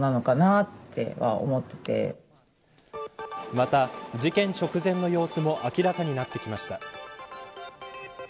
また、事件直前の様子も明らかになってきました。